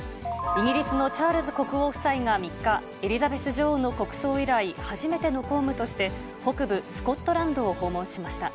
イギリスのチャールズ国王夫妻が３日、エリザベス女王の国葬以来、初めての公務として、北部スコットランドを訪問しました。